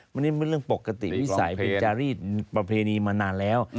วันนี้เป็นเรื่องปกติวิสัยเป็นจารีดประเพณีมานานแล้ว